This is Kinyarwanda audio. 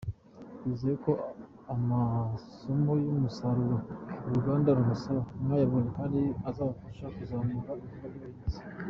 Twizeye ko amasomo y’umusaruro uruganda rubasaba, mwayabonye kandi azabafasha kuzamura ibikorwa by’ubuhinzi.